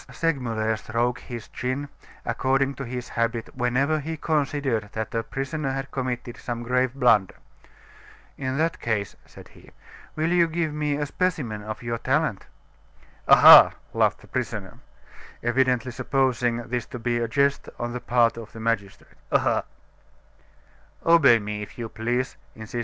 Segmuller stroked his chin, according to his habit whenever he considered that a prisoner had committed some grave blunder. "In that case," said he, "will you give me a specimen of your talent?" "Ah, ha!" laughed the prisoner, evidently supposing this to be a jest on the part of the magistrate. "Ah, ha!"